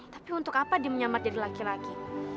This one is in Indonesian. tapi untuk apa dia menyamar jadi laki laki